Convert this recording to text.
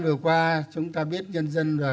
vừa qua chúng ta biết nhân dân và